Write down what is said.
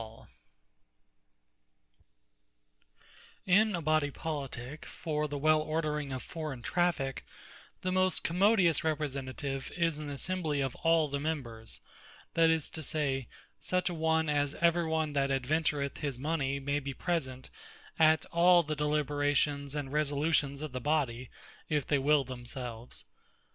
Bodies Politique For Ordering Of Trade In a Bodie Politique, for the well ordering of forraigne Traffique, the most commodious Representative is an Assembly of all the members; that is to say, such a one, as every one that adventureth his mony, may be present at all the Deliberations, and Resolutions of the Body, if they will themselves.